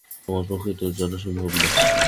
আমার পক্ষে তো জানা সম্ভব না।